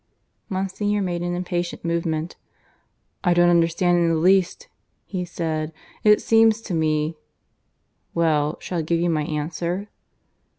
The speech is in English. Monsignor made an impatient movement. "I don't understand in the least," he said. "It seems to me " "Well, shall I give you my answer?"